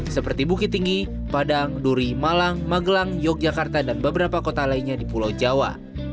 seperti bukit tinggi padang duri malang magelang yogyakarta dan beberapa kota lainnya di pulau jawa